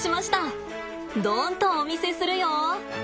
どんとお見せするよ。